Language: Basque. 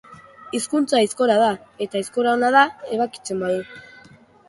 Hizkuntza aizkora da, eta aizkora ona da ebakitzen badu.